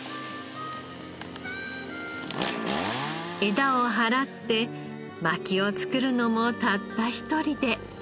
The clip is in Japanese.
枝を払って薪を作るのもたった一人で。